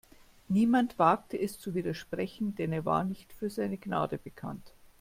Niemand wagte es zu widersprechen, denn er war nicht für seine Gnade bekannt.